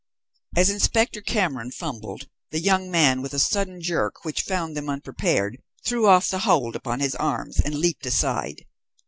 As Inspector Cameron fumbled, the young man, with a sudden jerk which found them unprepared, threw off the hold upon his arms and leaped aside.